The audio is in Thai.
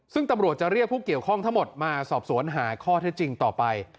ซึ่งตำรวจจะเรียกผู้เกี่ยวข้องทั้งหมดมาสอบสวนหาข้อเท็จจริงต่อไป